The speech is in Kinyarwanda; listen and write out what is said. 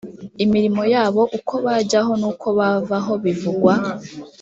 imirimo yabo uko bajyaho n’uko bavaho bivugwa